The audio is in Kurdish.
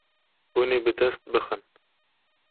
Hûn ê bi dest bixin.